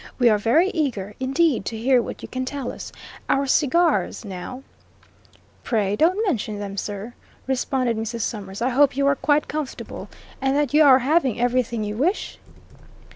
"We are very eager, indeed, to hear what you can tell us. Our cigars, now " "Pray, don't mention them, sir," responded Mrs. Summers. "I hope you are quite comfortable, and that you are having everything you wish?"